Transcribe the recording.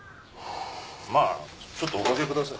まぁちょっとお掛けください